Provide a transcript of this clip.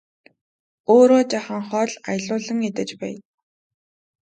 Өөрөө жаахан хоол аялуулан идэж байя!